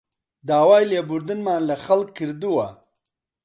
داوای لێبوردنمان لە خەڵک کردووە